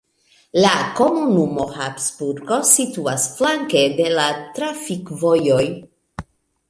La komunumo Habsburgo situas flanke de la trafikvojoj.